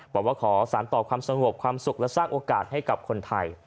บอกว่าขอสารต่อความสงบความสุขและสร้างโอกาสให้กับคนไทย